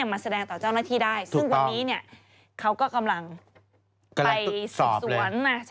มาแสดงต่อเจ้าหน้าที่ได้ซึ่งวันนี้เขาก็กำลังไปสืบสวน